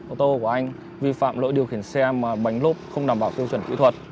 ô tô của anh vi phạm lỗi điều khiển xe mà bánh lốp không đảm bảo tiêu chuẩn kỹ thuật